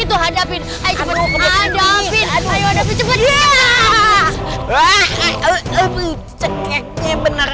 oh mukanya jelek mukanya jelek